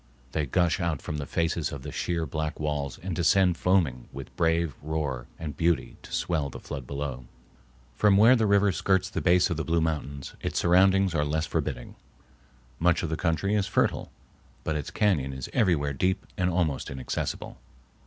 They gush out from the faces of the sheer black walls and descend foaming with brave roar and beauty to swell the flood below. From where the river skirts the base of the Blue Mountains its surroundings are less forbidding. Much of the country is fertile, but its cañon is everywhere deep and almost inaccessible.